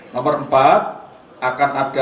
nomor empat akan aturkan